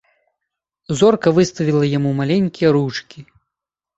Зорка выставіла яму маленькія ручкі.